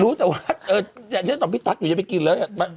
รู้แต่ว่าอยากเชื่อต่อพี่ตั๊กอยู่อยากไปกินเลย